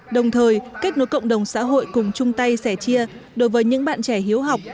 đồng thời kết nối cộng đồng xã hội cùng chung tay sẻ chia đối với những bạn trẻ hiếu học